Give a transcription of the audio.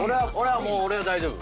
俺は大丈夫。